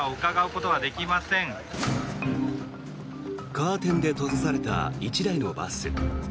カーテンで閉ざされた１台のバス。